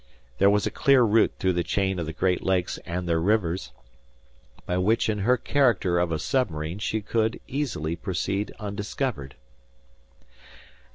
There was a clear route through the chain of the Great Lakes and their rivers, by which in her character of a submarine she could easily proceed undiscovered.